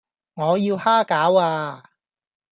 我要蝦餃呀